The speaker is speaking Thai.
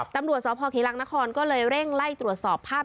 ตำรวจสพเขลังนครก็เลยเร่งไล่ตรวจสอบภาพ